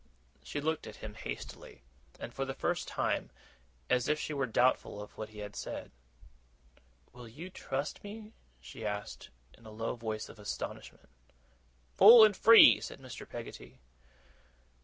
She looked at him hastily, and for the first time, as if she were doubtful of what he had said. 'Will you trust me?' she asked, in a low voice of astonishment. 'Full and free!' said Mr. Peggotty.